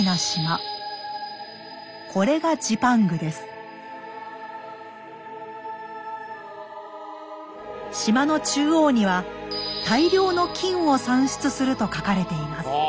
島の中央には「大量の金を産出する」と書かれています。